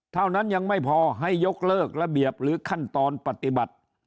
เท่านั้นยังไม่พอให้ยกเลิกระเบียบหรือขั้นตอนปฏิบัติ